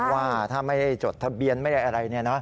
ว่าถ้าไม่ได้จดทะเบียนไม่ได้อะไร